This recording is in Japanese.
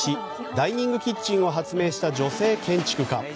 ダイニングキッチンを発明した女性建築家。